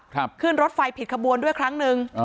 ขึ้นรถไฟผิดขบวนด้วยครั้งหนึ่ง